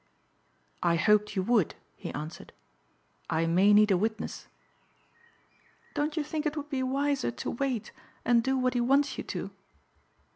"I hoped you would," he answered, "I may need a witness." "Don't you think it would be wiser to wait and do what he wants you to?"